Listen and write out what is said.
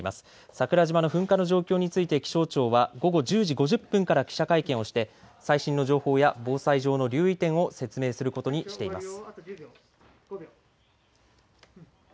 桜島の噴火の状況について気象庁は、午後１０時５０分から記者会見をして最新の情報や防災上の留意点を説明することにしています。